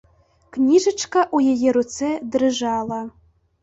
Кніжачка ў яе руцэ дрыжала.